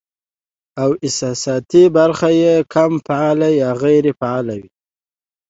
او احساساتي برخه ئې کم فعاله يا غېر فعاله وي